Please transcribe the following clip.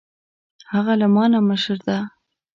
هغه له ما نه مشر ده